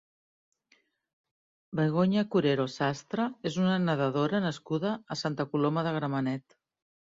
Begoña Curero Sastre és una nedadora nascuda a Santa Coloma de Gramenet.